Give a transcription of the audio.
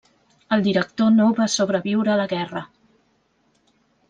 El director no va sobreviure a la guerra.